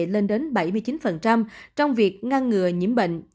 lên đến bảy mươi chín trong việc ngăn ngừa nhiễm bệnh